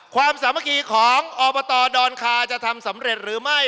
ความสามากีของอคจะทำสำเร็จหรือไม่